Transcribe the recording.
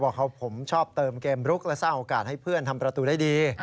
แสดงว่าผมเป็นผู้เล่นฟุตบอลและจะทำให้มันรู้สึก